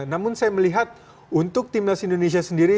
namun saya melihat untuk timnas indonesia sendiri